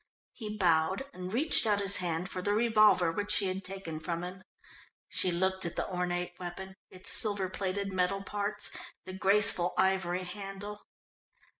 He bowed, and reached out his hand for the revolver which she had taken from him. She looked at the ornate weapon, its silver plated metal parts, the graceful ivory handle.